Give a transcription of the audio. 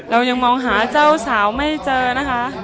เรายังมองหาเจ้าสาวไม่เจอนะคะ